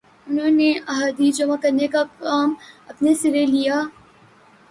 انہوں نے احادیث جمع کرنے کا کام اپنے سر لے لیا